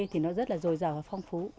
thì nó rất là dồi dào và phong phú